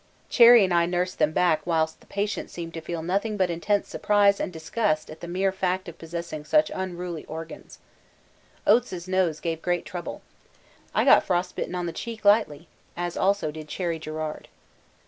Cherry and I nursed them back whilst the patient seemed to feel nothing but intense surprise and disgust at the mere fact of possessing such unruly organs. Oates' nose gave great trouble. I got frostbitten on the cheek lightly, as also did Cherry Garrard.